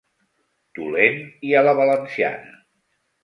Dolent i a la valenciana.